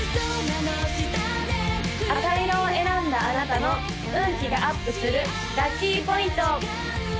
赤色を選んだあなたの運気がアップするラッキーポイント！